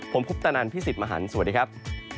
ผมคุปตะนันพี่สิทธิ์มหันฯสวัสดีครับ